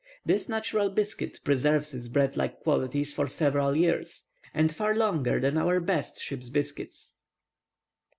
This natural biscuit preserves its bread like qualities for several years, and far longer than our best ship's biscuits."